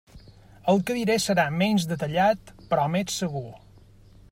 El que diré serà menys detallat, però més segur.